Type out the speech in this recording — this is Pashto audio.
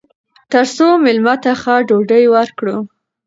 تر څو میلمه ته ښه ډوډۍ ورکړو.